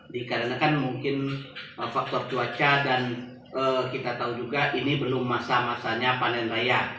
dikarenakan mungkin faktor cuaca dan kita tahu juga ini belum masa masanya panen raya